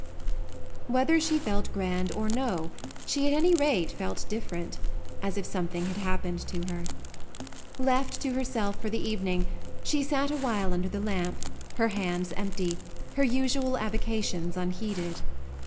Whether she felt grand or no, she at any rate felt different, as if something had happened to her. Left to herself for the evening she sat a while under the lamp, her hands empty, her usual avocations unheeded.